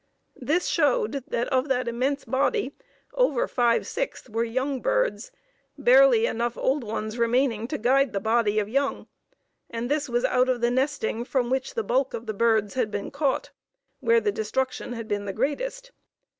This showed that of the immense body over five sixths were young birds, barely old enough ones remaining to guide the body of young, and this was out of the nesting from which the bulk of the birds had been caught, where the destruction had been the greatest.